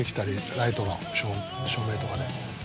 ライトの照明とかで。